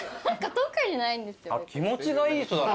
気持ちがいい人だな。